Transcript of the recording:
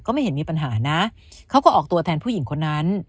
ไม่เห็นมีปัญหานะเขาก็ออกตัวแทนผู้หญิงคนนั้น